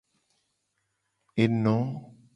Eno.